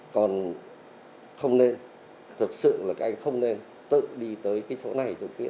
còn không nên thực sự là các anh không nên tự đi tới cái chỗ này chỗ kia